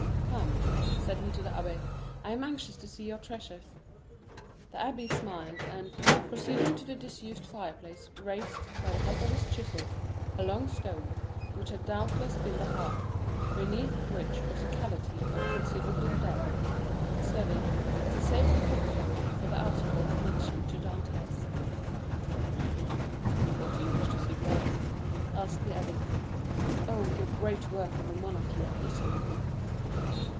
"Come," said he to the abbé, "I am anxious to see your treasures." The abbé smiled, and, proceeding to the disused fireplace, raised, by the help of his chisel, a long stone, which had doubtless been the hearth, beneath which was a cavity of considerable depth, serving as a safe depository of the articles mentioned to Dantès. 0213m "What do you wish to see first?" asked the abbé. "Oh, your great work on the monarchy of Italy!"